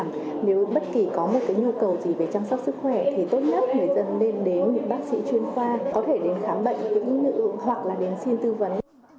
nếu bất kỳ có một cái nhu cầu gì về chăm sóc sức khỏe thì tốt nhất người dân nên đến những bác sĩ chuyên khoa có thể đến khám bệnh hoặc là đến xin tư vấn